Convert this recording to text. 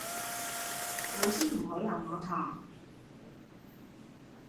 老師唔好留我堂